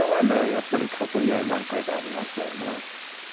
やっぱり過去には何回かありましたよね。